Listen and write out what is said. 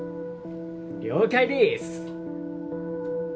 了解です！